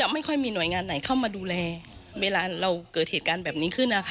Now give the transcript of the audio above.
ไม่ค่อยมีหน่วยงานไหนเข้ามาดูแลเวลาเราเกิดเหตุการณ์แบบนี้ขึ้นนะคะ